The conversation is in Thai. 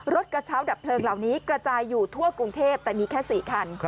กระเช้าดับเพลิงเหล่านี้กระจายอยู่ทั่วกรุงเทพแต่มีแค่๔คัน